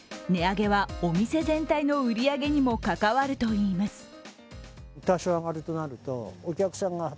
値上げはお店全体の売り上げにも関わるといいます。